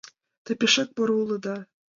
— Те пешак поро улыда.